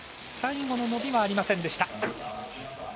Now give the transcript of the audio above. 最後の伸びはありませんでした。